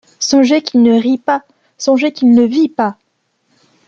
Songez qu’il ne rit pas, songez qu’il ne vit pas !